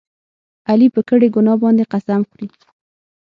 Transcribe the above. علي په کړې ګناه باندې قسم خوري.